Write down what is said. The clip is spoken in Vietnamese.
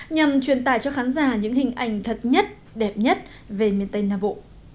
nhằm truyền tải cho khán giả những hình ảnh thật nhất đẹp nhất về miền tây nam bộ